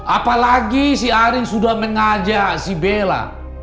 apalagi si aring sudah mengajak si bella